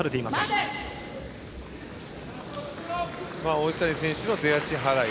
王子谷選手の出足払い